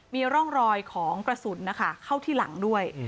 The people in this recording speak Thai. มีร่องรอยของกระสุนนะคะเข้าที่หลังด้วย